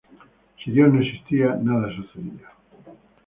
Si Dios no existía, nada sucedía.